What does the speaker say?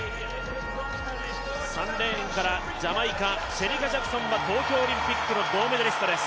３レーンからジャマイカシェリカ・ジャクソンは東京オリンピックの銅メダリストです。